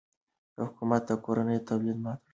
حکومت د کورني تولید ملاتړ کوي.